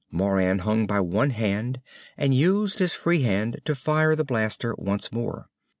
Moran hung by one hand and used his free hand to fire the blaster once more.